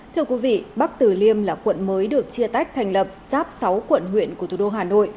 thưa quý vị bắc tử liêm là quận mới được chia tách thành lập sắp sáu quận huyện của thủ đô hà nội